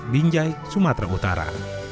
binjai sumatera utara